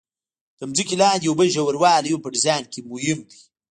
د ځمکې لاندې اوبو ژوروالی هم په ډیزاین کې مهم دی